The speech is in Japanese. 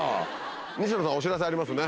西野さん、お知らせありますね。